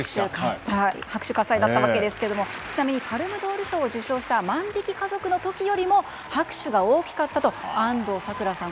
拍手喝采だったわけですがちなみにパルム・ドール賞を受賞した「万引き家族」の時よりも拍手が大きかったと安藤サクラさん